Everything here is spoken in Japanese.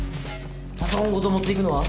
パソコンごと持っていくのは？